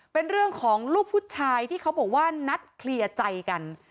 เป็นเรื่องของลูกผู้ชายที่เขาบอกว่านัดเคลียร์ใจกัน